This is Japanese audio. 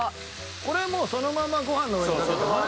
これもうそのままご飯の上にかけてもね。